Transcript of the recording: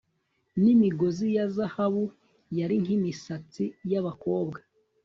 n'imigozi ya zahabu yari nk'imisatsi y'abakobwa